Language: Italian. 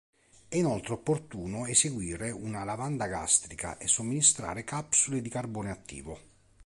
È inoltre opportuno eseguire una lavanda gastrica e somministrare capsule di carbone attivo.